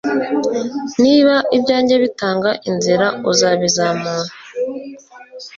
Niba ibyanjye bitanga inzira uzabizamura